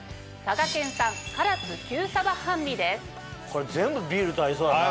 これ全部ビールと合いそうだな。